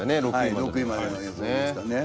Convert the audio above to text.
６位までの予想でしたね。